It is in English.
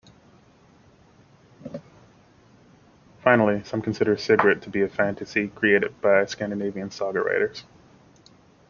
Finally, some consider "Sigrid" to be a fantasy created by Scandinavian saga writers.